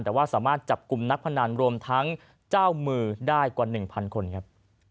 แต่ว่าสามารถจับกลุ่มนักพนันรวมทั้งเจ้ามือได้กว่า๑๐๐คนครับ